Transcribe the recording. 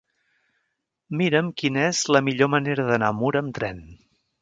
Mira'm quina és la millor manera d'anar a Mura amb tren.